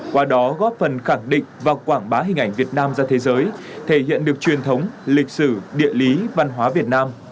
qua đó góp phần khẳng định và quảng bá hình ảnh việt nam ra thế giới thể hiện được truyền thống lịch sử địa lý văn hóa việt nam